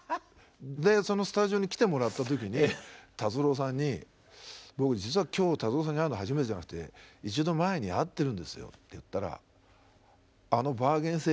でそのスタジオに来てもらった時に達郎さんに僕実は今日達郎さんに会うの初めてじゃなくて一度前に会ってるんですよって言ったら。